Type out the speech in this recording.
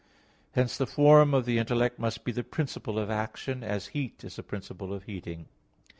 Hence the form of the intellect must be the principle of action; as heat is the principle of heating.